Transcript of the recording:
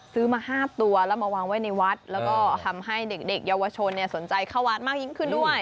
ซื้อมา๕ตัวแล้วมาวางไว้ในวัดแล้วก็ทำให้เด็กเยาวชนสนใจเข้าวัดมากยิ่งขึ้นด้วย